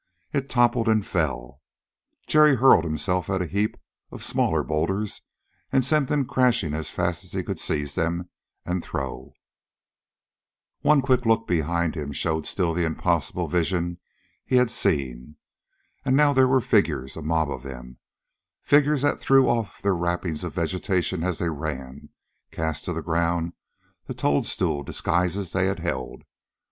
It toppled and fell. Jerry hurled himself at a heap of smaller boulders and sent them crashing as fast as he could seize them and throw. One quick look behind him showed still the impossible vision he had seen. And now there were figures a mob of them figures that threw off their wrappings of vegetation as they ran, cast to the ground the toadstool disguises that they held.